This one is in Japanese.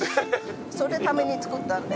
そのために作ったんで。